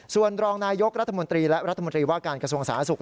ส่วนรองนายกรัฐมนตรีและรัฐมนตรีว่าการกระทรวงสาธารณสุข